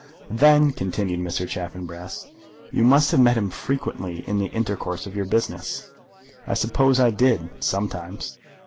"Then," continued Mr. Chaffanbrass, "you must have met him frequently in the intercourse of your business?" "I suppose I did, sometimes."